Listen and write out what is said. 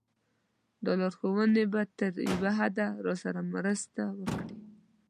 دا لارښوونې به تر یوه حده راسره مرسته وکړي.